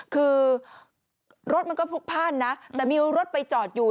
คือรถมันก็พลุกพ่านนะแต่มีรถไปจอดอยู่